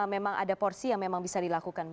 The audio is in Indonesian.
memang ada porsi yang memang bisa dilakukan